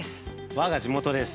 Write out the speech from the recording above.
◆我が地元です。